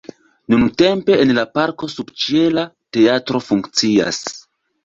Nuntempe en la parko subĉiela teatro funkcias.